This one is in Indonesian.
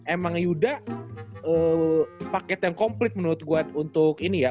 emang yuda paket yang komplit menurut gue untuk ini ya